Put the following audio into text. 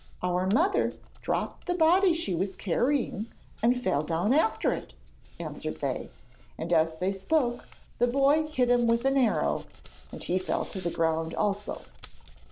'Our mother dropped the body she was carrying and fell down after it,' answered they, and as they spoke the boy hit him with an arrow, and he fell to the ground also.